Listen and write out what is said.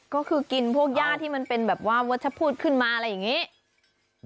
ก็คือกินพวกย่าที่มันเป็นแบบว่าวัชพูดขึ้นมาอะไรอย่างนี้